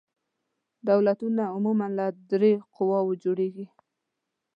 دولتونه عموماً له درې قواوو جوړیږي.